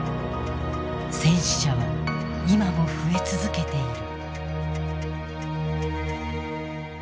戦死者は今も増え続けている。